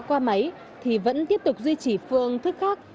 qua máy thì vẫn tiếp tục duy trì phương thức khác